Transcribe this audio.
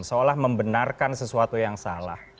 seolah membenarkan sesuatu yang salah